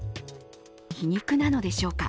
皮肉なのでしょうか。